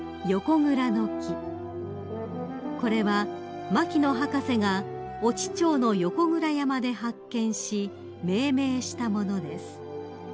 ［これは牧野博士が越知町の横倉山で発見し命名したものです］